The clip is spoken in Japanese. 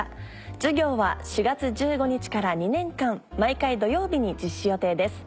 授業は４月１５日から２年間毎回土曜日に実施予定です。